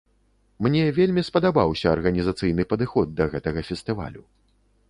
Мне вельмі спадабаўся арганізацыйны падыход да гэтага фестывалю.